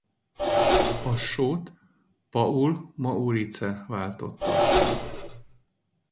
Asso-t Paul Maurice váltotta fel.